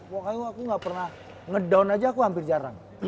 pokoknya aku gak pernah ngedown aja aku hampir jarang